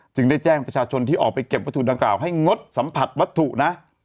ได้แจ้งประชาชนที่ออกไปเก็บวัตถุดังกล่าวให้งดสัมผัสวัตถุนะ